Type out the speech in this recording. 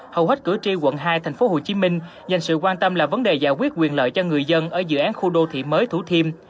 hầu hết cử tri quận hai tp hcm dành sự quan tâm là vấn đề giải quyết quyền lợi cho người dân ở dự án khu đô thị mới thủ thiêm